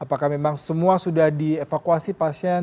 apakah memang semua sudah dievakuasi pasien